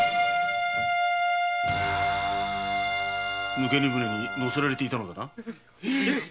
抜け荷船に乗せられていたのだな？